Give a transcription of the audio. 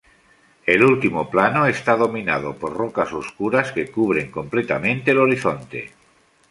El último plano está dominado por rocas oscuras que cubren completamente el horizonte.